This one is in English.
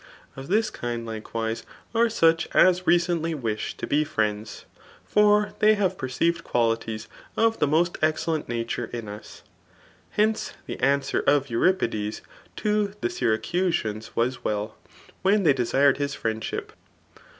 Of dtts kind likewise are such as reccndy wish to be fiieods; ilbr tfaegrhave perceived qualities of the most excellent nature in us. Henoe^ the answer of Euripidee to the Syracusans was well, [when they dsshed hb fnendship.